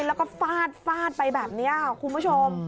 รู้รู้ที่นี่คุณผู้ชม